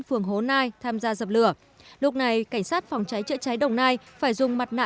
phường hố nai tham gia dập lửa lúc này cảnh sát phòng cháy chữa cháy đồng nai phải dùng mặt nạ